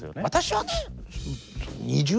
私はね